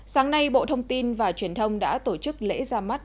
sáng nay bộ thông tin và truyền thông đã tổ chức lễ ra mắt